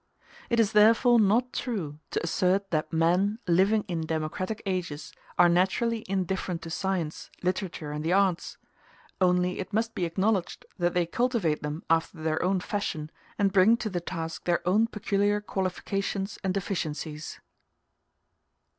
It is therefore not true to assert that men living in democratic ages are naturally indifferent to science, literature, and the arts: only it must be acknowledged that they cultivate them after their own fashion, and bring to the task their own peculiar qualifications and deficiencies.